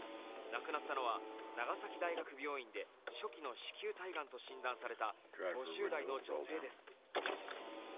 亡くなったのは長崎大学病院で初期の子宮体がんと診断された５０代の女性です。